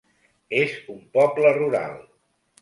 És un poble rural.